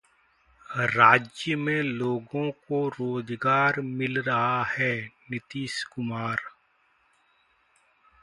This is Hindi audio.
राज्य में लोगों को रोजगार मिल रहा है: नीतीश कुमार